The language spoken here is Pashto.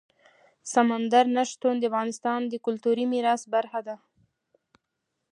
سمندر نه شتون د افغانستان د کلتوري میراث برخه ده.